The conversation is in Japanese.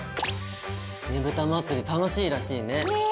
ねぶた祭楽しいらしいね。ね！